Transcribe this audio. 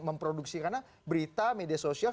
memproduksi karena berita media sosial